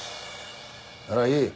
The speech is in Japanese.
ならいい。